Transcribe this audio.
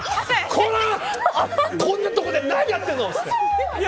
こんなところで何やってんの！って。